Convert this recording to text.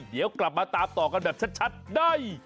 เดี๋ยวกลับมาตามต่อกันแบบชัดได้